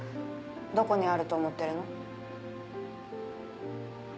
どこにあると思ってるの？